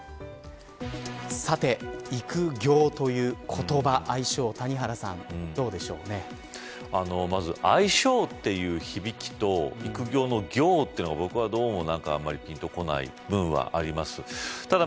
さて、育業という言葉、愛称谷原さん、どまず愛称という響きと育業の業というのが僕は、どうもぴんとこない部分もあります。